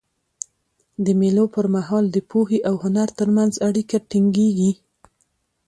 د مېلو پر مهال د پوهي او هنر ترمنځ اړیکه ټینګيږي.